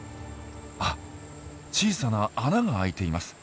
あっ小さな穴が開いています。